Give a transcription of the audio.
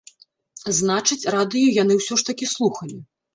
Значыць, радыё яны ўсё ж такі слухалі.